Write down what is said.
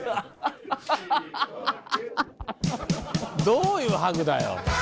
・どういうハグだよ？